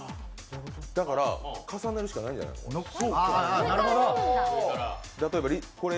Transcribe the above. だから、重ねるしかないんじゃない、これ。